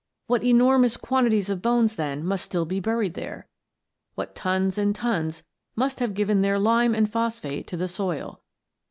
What enormous quantities of bones, then, must still be buried there, what tons and tons must have given their lime and phosphate to the soil.